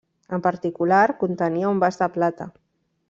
En particular, contenia un vas de plata.